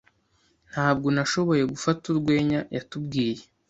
Ntabwo nashoboye gufata urwenya yatubwiye.